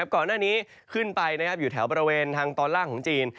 ก่อนหน้านี้ขึ้นไปอยู่แถวบริเวณทางตอนล่างของจีน